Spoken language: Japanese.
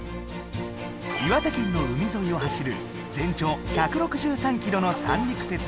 岩手県の海ぞいを走る全長１６３キロの三陸鉄道。